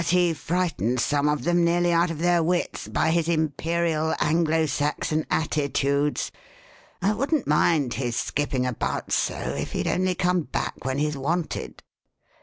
But he frightens some of them nearly out of their wits by his Imperial Anglo Saxon attitudes. I wouldn't mind his skipping about so if he'd only come back when he's wanted."